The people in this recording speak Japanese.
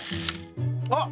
あっ！